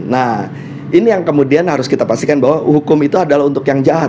nah ini yang kemudian harus kita pastikan bahwa hukum itu adalah untuk yang jahat